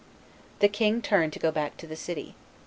The king turned to go back to the city.